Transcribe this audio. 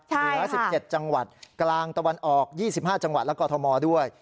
เหลือ๑๗จังหวัดกลางตะวันออก๒๕จังหวัดและกอทมด้วย